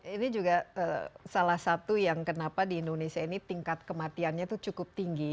ini juga salah satu yang kenapa di indonesia ini tingkat kematiannya itu cukup tinggi